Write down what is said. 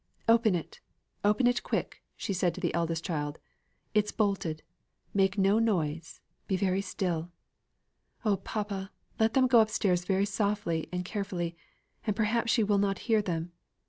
"Open it. Open it quick," said she to the eldest child. "It's bolted; make no noise be very still. Oh, papa, let them go upstairs very softly and carefully, and perhaps she will not hear them.